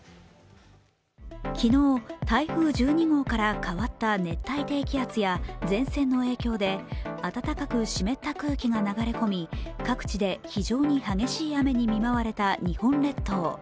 昨日、台風１２号から変わった熱帯低気圧や前線の影響で暖かく湿った空気が流れ込み各地で非常に激しい雨に見舞われた日本列島。